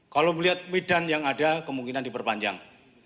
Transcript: kalau melihat medan yang ada kemungkinan diperpanjang